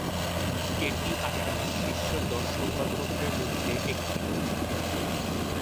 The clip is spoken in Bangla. এটি আসামের শীর্ষ দশ সংবাদপত্রের মধ্যে একটি।